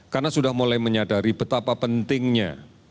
karena sudah mulai menyadari betapa pentingnya